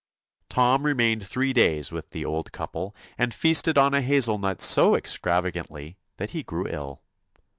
Tom remained three days with the old couple, and feasted on a hazel nut so extravagantly that he grew ill.